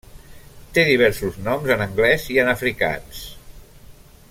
Té diversos noms en anglès i en afrikaans.